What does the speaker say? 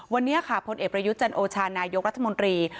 วันนี้ค่ะพลเอกประยุทธ์จันโอชานายกรัฐมนตรี